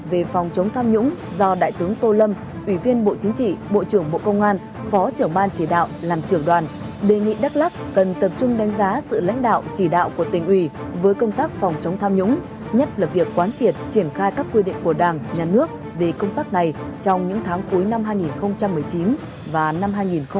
về phòng chống tham nhũng do đại tướng tô lâm ủy viên bộ chính trị bộ trưởng bộ công an phó trưởng ban chỉ đạo làm trưởng đoàn đề nghị đắk lắc cần tập trung đánh giá sự lãnh đạo chỉ đạo của tỉnh ủy với công tác phòng chống tham nhũng nhất là việc quán triệt triển khai các quy định của đảng nhà nước về công tác này trong những tháng cuối năm hai nghìn một mươi chín và năm hai nghìn hai mươi